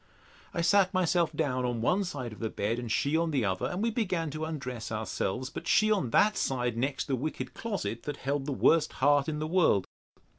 I sat myself down on one side of the bed, and she on the other, and we began to undress ourselves; but she on that side next the wicked closet, that held the worst heart in the world.